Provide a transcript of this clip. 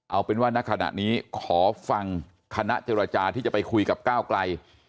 เอาเป็นว่าณขณะนี้ขอฟังคณะเจรจาที่จะไปคุยกับก้าวไกล